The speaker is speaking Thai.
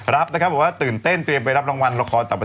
รับแบบว่าตื่นเต้นไปรับรางวัลละคร